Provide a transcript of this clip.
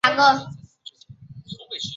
美国是世界矿产资源最丰富的国家之一。